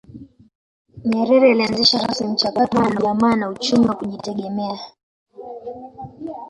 Nyerere alianzisha rasmi mchakato wa ujamaa na uchumi wa kujitegemea